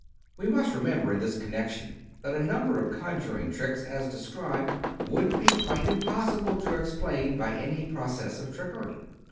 We must remember, in this connection, that a number of conjuring tricks, as described, would be quite impossible to explain by any process of trickery.